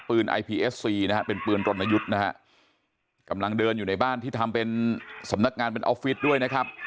ไอพีเอสซีนะฮะเป็นปืนรณยุทธ์นะฮะกำลังเดินอยู่ในบ้านที่ทำเป็นสำนักงานเป็นออฟฟิศด้วยนะครับ